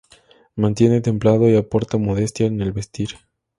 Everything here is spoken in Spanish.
Mantiene templado y aporta modestia en el vestir.